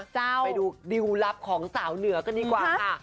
ไปดูดิวลลับของสาวเหนือกันดีกว่าค่ะ